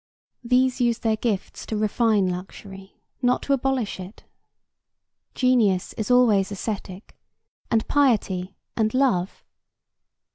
These use their gifts to refine luxury, not to abolish it. Genius is always ascetic, and piety, and love.